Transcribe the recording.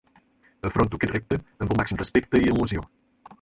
Afronto aquest repte amb el màxim respecte i il·lusió.